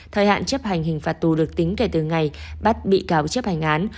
thời hạn chấp hành hình phạt tù được tính kể từ ngày bắt bị cáo chấp hành án